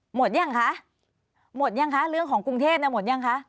หมดยังคะหมดยังคะเรื่องของกรุงเทพหมดยังคะ